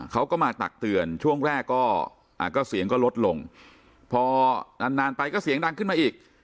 เขาก็มาตักเตือนช่วงแรกก็เสียงก็ลดลงพอนานนานไปก็เสียงดังขึ้นมาอีก